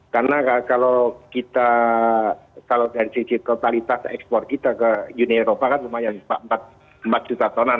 karena kalau kita kalau dari sisi totalitas ekspor kita ke uni eropa kan lumayan empat juta tonan